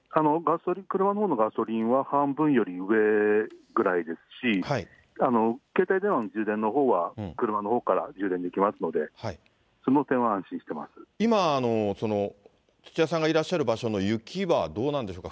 車のほうのガソリンは半分より上ぐらいですし、携帯電話の充電のほうは車のほうから充電できますので、その点は今、土屋さんがいらっしゃる場所の雪はどうなんでしょうか。